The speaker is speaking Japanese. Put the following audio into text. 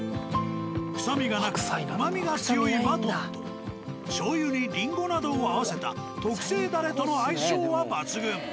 臭みがなくうまみが強いマトンとしょうゆにりんごなどを合わせた特製だれとの相性は抜群。